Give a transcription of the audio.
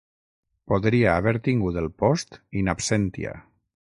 Podria haver tingut el post "in absentia".